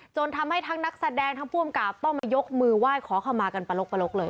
ทำให้ทั้งนักแสดงทั้งผู้อำกับต้องมายกมือไหว้ขอเข้ามากันปลกเลย